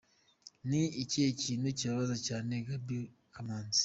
Ni ikihe kintu kibabaza cyane Gaby Kamanzi?.